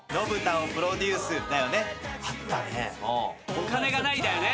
『お金がない！』だよね。